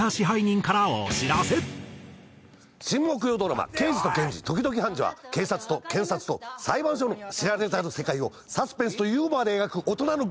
新木曜ドラマ『ケイジとケンジ、時々ハンジ。』は警察と検察と裁判所の知られざる世界をサスペンスとユーモアで描く大人の群像劇です。